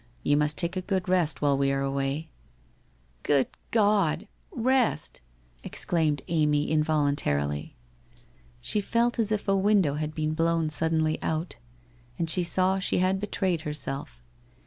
You must take a good rest while we are away/ * Good God ! Pest !' exclaimed Amy involuntarily. She felt as if a window had been blown suddenly out. And she taw she had betrayed herself.